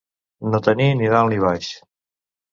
No tenir ni dalt ni baix.